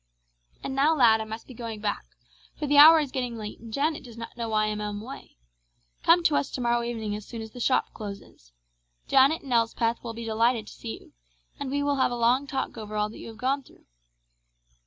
And now, lad, I must be going back, for the hour is getting late and Janet does not know why I am away. Come to us tomorrow evening as soon as the shop closes. Janet and Elspeth will be delighted to see you, and we will have a long talk over all that you have gone through."